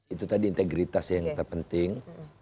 itu tadi integritas yang terpenting